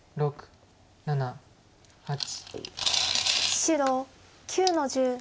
白９の十。